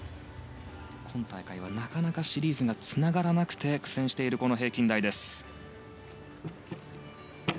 今大会はなかなかシリーズがつながらなくて苦戦している、この平均台です。